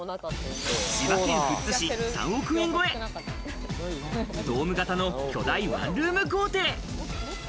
千葉県富津市３億円超え、ドーム型の巨大ワンルーム豪邸。